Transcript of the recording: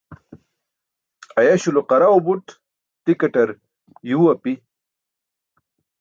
Ayaś lo qaraw buṭ, tikaṭar yuu api.